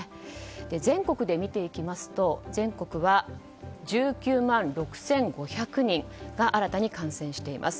全国で見ていきますと全国は１９万６５００人が新たに感染しています。